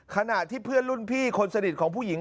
ขณะที่เพื่อนรุ่นพี่คนสนิทของผู้หญิง